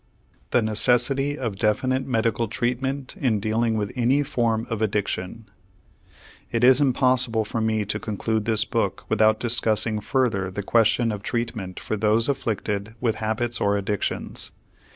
THE NECESSITY OF DEFINITE MEDICAL TREATMENT IN DEALING WITH ANY FORM OF ADDICTION It is impossible for me to conclude this book without discussing further the question of treatment for those afflicted with habits or addictions.